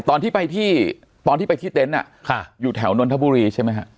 ตอนที่ไปที่ตอนที่ไปที่เต็นต์อยู่แถวนนทบุรีใช่ไหมฮะ